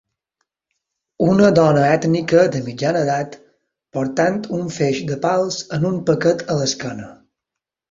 Una dona ètnica de mitjana edat portant un feix de pals en un paquet a l'esquena.